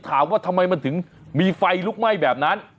ถามว่าทำไมมันถึงมีไฟลุกไหม้แบบนั้น